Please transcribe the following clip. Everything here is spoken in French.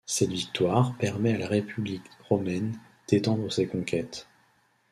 Cette victoire permet à la République romaine d'étendre ses conquêtes.